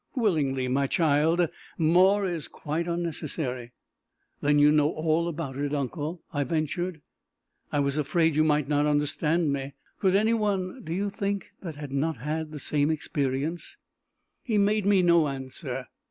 "Willingly, my child. More is quite unnecessary." "Then you know all about it, uncle?" I ventured. "I was afraid you might not understand me. Could any one, do you think, that had not had the same experience?" He made me no answer.